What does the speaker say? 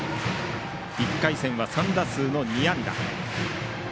１回戦は３打数２安打。